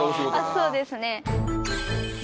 そうですね。